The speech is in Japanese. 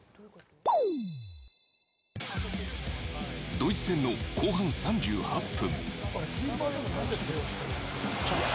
ドイツ戦の後半３８分。